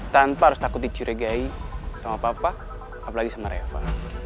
tanpa harus takut dicurigai sama papa apalagi sama reva